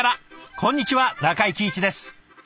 こんにちは中井貴一です。